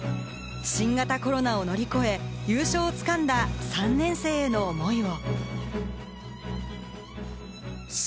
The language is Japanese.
新型コロナを乗り越え、優勝を掴んだ３年生への思いを。